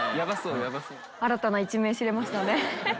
新たな一面知れましたね。